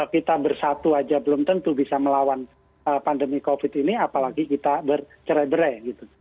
kita bersatu aja belum tentu bisa melawan pandemi covid ini apalagi kita bercerai berai gitu